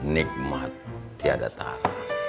nikmat tiada tarah